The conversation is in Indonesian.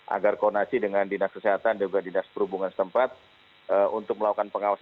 agar koordinasi dengan dinas kesehatan dan juga dinas perhubungan setempat untuk melakukan pengawasan